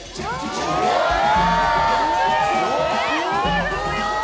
・・すごい！